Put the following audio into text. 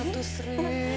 iya atuh serius